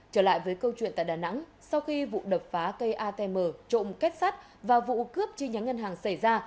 trở lại với câu chuyện tại đà nẵng sau khi vụ đập phá cây atm trộm kết sắt và vụ cướp chi nhánh ngân hàng xảy ra